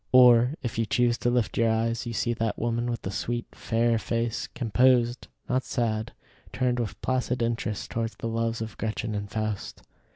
Or, if you choose to lift your eyes, you see that woman with the sweet, fair face, composed, not sad, turned with placid interest towards the loves of Gretchen and Faust.